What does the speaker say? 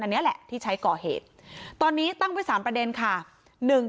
อันนี้แหละที่ใช้ก่อเหตุตอนนี้ตั้งไว้๓ประเด็นค่ะ